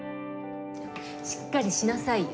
しっかりしなさいよ。